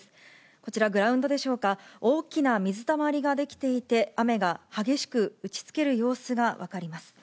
こちら、グラウンドでしょうか、大きな水たまりが出来ていて、雨が激しく打ちつける様子が分かります。